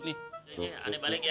aneh balik ya